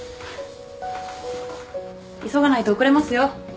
急がないと遅れますよ。